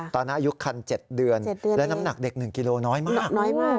ตอนนั้นอายุคัน๗เดือนและน้ำหนักเด็ก๑กิโลกรัมน้อยมาก